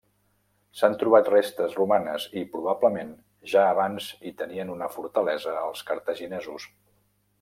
S'han trobat restes romanes i, probablement, ja abans hi tenien una fortalesa els cartaginesos.